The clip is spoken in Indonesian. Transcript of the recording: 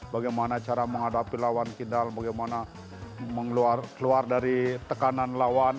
bagaimana cara menghadapi lawan kidal bagaimana keluar dari tekanan lawan